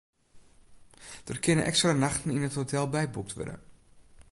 Der kinne ekstra nachten yn it hotel byboekt wurde.